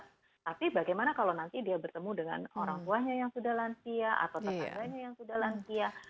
tapi bagaimana kalau nanti dia bertemu dengan orang tuanya yang sudah lansia atau tetangganya yang sudah lansia